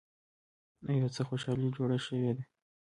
او يا څه خوشحالي جوړه شوې ده